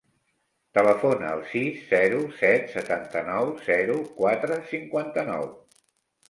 Telefona al sis, zero, set, setanta-nou, zero, quatre, cinquanta-nou.